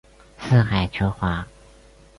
四海求凰。